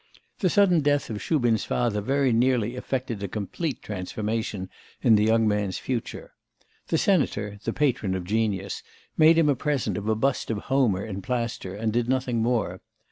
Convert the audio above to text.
The sudden death of Shubin's father very nearly effected a complete transformation in the young man's future. The senator, the patron of genius, made him a present of a bust of Homer in plaster, and did nothing more.